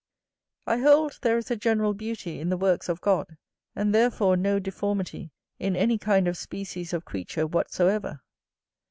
I hold there is a general beauty in the works of God, and therefore no deformity in any kind of species of creature whatsoever.